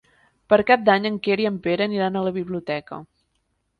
Per Cap d'Any en Quer i en Pere aniran a la biblioteca.